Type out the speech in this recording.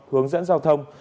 hướng dẫn giao thông